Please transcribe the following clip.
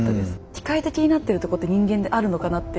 機械的になってるとこって人間であるのかなって。